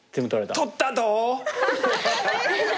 取ったど！